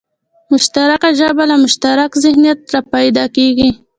مشترکه ژبه له مشترک ذهنیت راپیدا کېږي